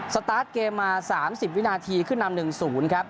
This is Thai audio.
สตาร์ทเกมมาสามสิบวินาทีขึ้นลำหนึ่งศูนย์ครับ